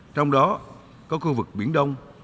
trong đó có khu vực biển đông